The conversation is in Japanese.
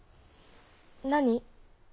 何？